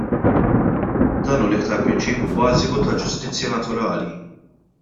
Dan hu l-iktar prinċipju bażiku ta' ġustizzja naturali!